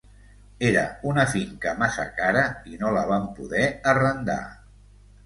Era una finca massa cara i no la vam poder arrendar.